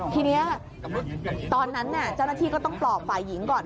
ทีนี้ตอนนั้นเจ้าหน้าที่ก็ต้องปลอบฝ่ายหญิงก่อน